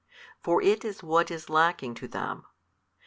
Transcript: For it is what is lacking to them.